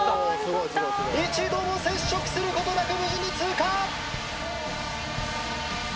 一度も接触することなく無事に通過。